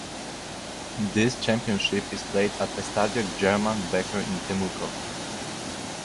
This championship is played at Estadio German Becker in Temuco.